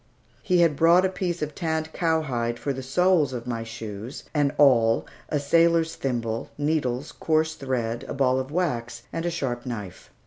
He had brought a piece of tanned cowhide for the soles of my shoes, an awl, a sailor's thimble, needles, coarse thread, a ball of wax, and a sharp knife.